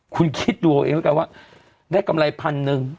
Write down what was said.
คุณคิดดูเอาเองก็คือว่าได้กำไร๑๐๐๐หนึ่ง